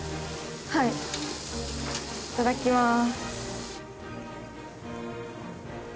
はいいただきます